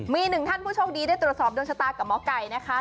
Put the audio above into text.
มีหนึ่งท่านผู้โชคดีได้ตรวจสอบดวงชะตากับหมอไก่นะคะ